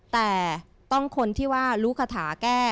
แต่ต้องคนที่ว่ารู้คาถาแก้